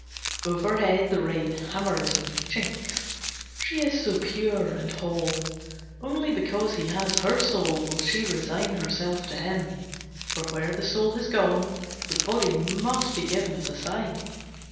Overhead, the rain hammers and chinks. She is so pure and whole. Only because he has her soul will she resign herself to him, for where the soul has gone, the body must be given as a sign.